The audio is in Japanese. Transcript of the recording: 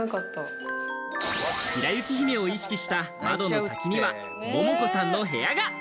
白雪姫を意識した窓の先には桃子さんの部屋が。